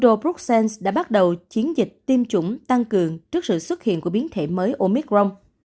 châu bruxelles đã bắt đầu chiến dịch tiêm chủng tăng cường trước sự xuất hiện của biến thể mới omicron